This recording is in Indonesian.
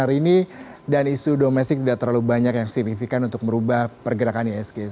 hari ini dan isu domestik tidak terlalu banyak yang signifikan untuk merubah pergerakan isg